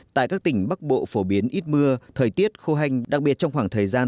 tại các tỉnh bắc bộ phổ biến ít mưa thời tiết khô hành đặc biệt trong khoảng thời gian